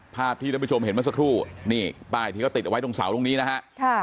ภาพที่ท่านผู้ชมเห็นเมื่อสักครู่นี่ป้ายที่เขาติดเอาไว้ตรงเสาตรงนี้นะฮะ